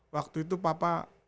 waktu itu papa